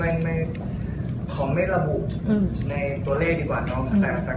อย่างฝันถูกรอบแรกเขาบอกได้ไหมคะว่าสักเท่าไหร่